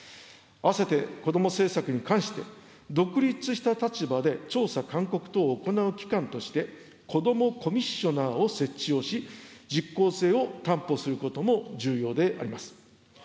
合わせて、子ども政策に関して、独立した立場で調査・勧告等を行う機関として、子どもコミッショナーを設置をし、実効性を担保することも重要であります。